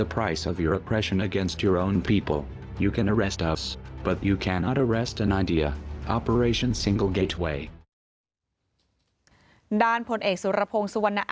พรุ่งนี้คุณจะเก็บคำสั่งของคุณ